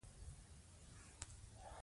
خپل ځان هم سالم ساتي.